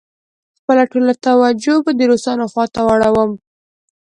خپله ټوله توجه به د روسانو خواته واړوم.